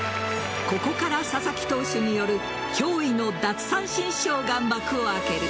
ここから佐々木投手による脅威の奪三振ショーが幕を開ける。